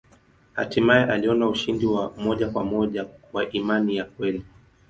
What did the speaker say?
Hatimaye aliona ushindi wa moja kwa moja wa imani ya kweli.